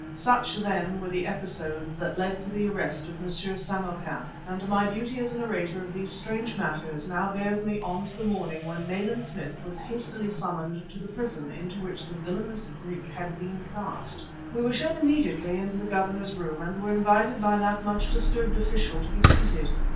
Such, then, were the episodes that led to the arrest of M. Samarkan, and my duty as narrator of these strange matters now bears me on to the morning when Nayland Smith was hastily summoned to the prison into which the villainous Greek had been cast. We were shown immediately into the Governor's room and were invited by that much disturbed official to be seated.